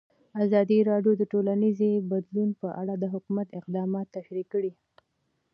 ازادي راډیو د ټولنیز بدلون په اړه د حکومت اقدامات تشریح کړي.